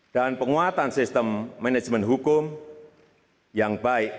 dan penguatan sistem manajemen hukum yang baik